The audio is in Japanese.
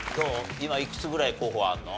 今いくつぐらい候補あるの？